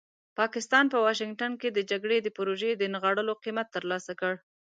پاکستان په واشنګټن کې د جګړې د پروژې د نغاړلو قیمت ترلاسه کړ.